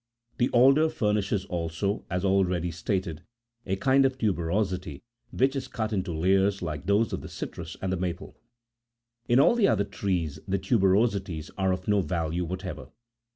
The alder furnishes also, as already stated,54 a kind of tuberosity, which is cut into layers like those of the citrus and the maple. In all the other trees the tuberosities are of no value whatever.